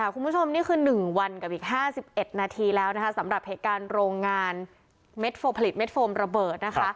คุณผู้ชมนี่คือ๑วันกับอีก๕๑นาทีแล้วสำหรับเหตุการณ์โรงงานผลิตเม็ดโฟมระเบิด